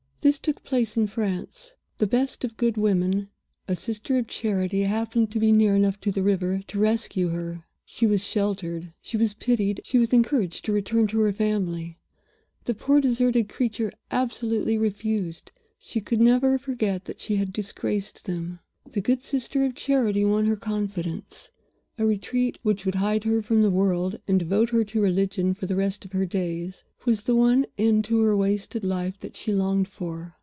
This took place in France. The best of good women a Sister of Charity happened to be near enough to the river to rescue her. She was sheltered; she was pitied; she was encouraged to return to her family. The poor deserted creature absolutely refused; she could never forget that she had disgraced them. The good Sister of Charity won her confidence. A retreat which would hide her from the world, and devote her to religion for the rest of her days, was the one end to her wasted life that she longed for.